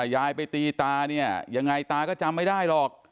ยายไปตีตาเนี่ยยังไงตาก็จำไม่ได้หรอก